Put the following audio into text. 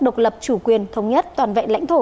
độc lập chủ quyền thống nhất toàn vẹn lãnh thổ